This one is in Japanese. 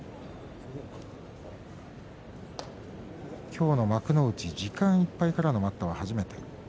今日の幕内時間いっぱいからの待ったは初めてです。